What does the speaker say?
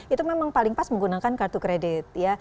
itu memang paling pas menggunakan kartu kredit ya